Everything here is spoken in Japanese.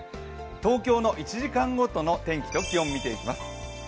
東京の１時間ごとの天気と気温、見ていきます。